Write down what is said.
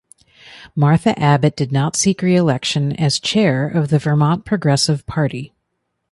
Martha Abbott did not seek reelection as chair of the Vermont Progressive Party.